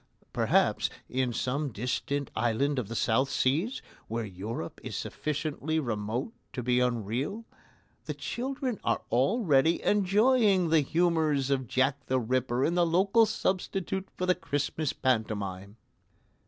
Perhaps, in some distant island of the South Seas, where Europe is sufficiently remote to be unreal, the children are already enjoying the humours of Jack the Ripper in the local substitute for the Christmas pantomime.